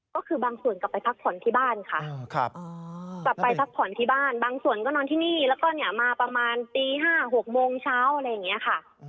ก็คือบางส่วนกลับไปพักผ่อนที่บ้านค่ะกลับไปพักผ่อนที่บ้านบางส่วนก็นอนที่นี่แล้วก็เนี่ยมาประมาณตี๕๖โมงเช้าอะไรอย่างนี้ค่ะ